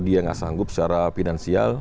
dia nggak sanggup secara finansial